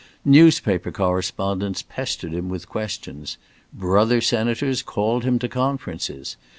Newspaper correspondents pestered him with questions. Brother senators called him to conferences.